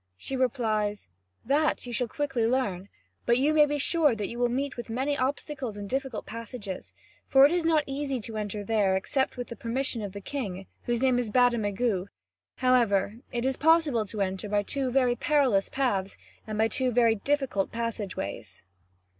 She replies: "That you shall quickly learn; but you may be sure that you will meet with many obstacles and difficult passages, for it is not easy to enter there except with the permission of the king, whose name is Bademagu; however, it is possible to enter by two very perilous paths and by two very difficult passage ways.